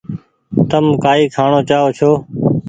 تم ڪآئي کآڻو چآئو ڇو ۔